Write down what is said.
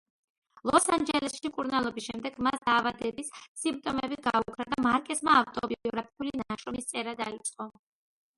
ლოს ანჯელესში მკურნალობის შემდეგ მას დაავადების სიმპტომები გაუქრა და მარკესმა ავტობიოგრაფიული ნაშრომის წერა დაიწყო.